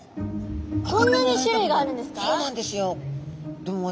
こんなに種類があるんですか？